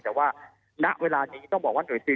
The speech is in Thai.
แต่ว่าณเวลานี้ต้องบอกว่าหน่วยซิล